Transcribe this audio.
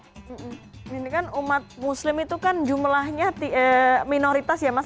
ini kan umat muslim itu kan jumlahnya minoritas ya mas